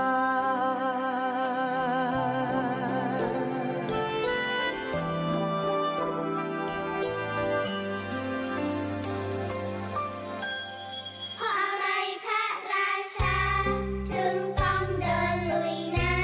เพราะอะไรพระราชาถึงต้องเดินลุยน้ำ